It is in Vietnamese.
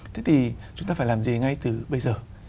thế thì chúng ta phải làm gì ngay từ bây giờ